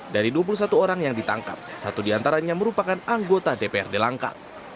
dari dua puluh satu orang yang ditangkap satu di antaranya merupakan anggota dprd langkang